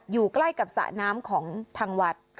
อยู่ใกล้กับสระน้ำของทางวัด